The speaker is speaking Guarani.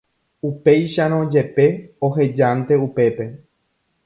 upéicharõjepe, ohejánte upépe.